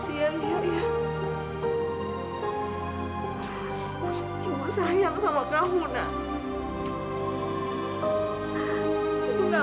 ibu sayang sama kamu tau gak